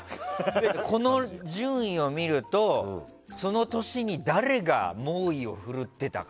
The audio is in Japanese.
この順位を見るとその年に誰が猛威振るってたか。